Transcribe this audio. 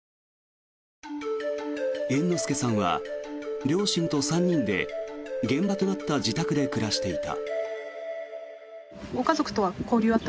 猿之助さんは両親と３人で現場となった自宅で暮らしていた。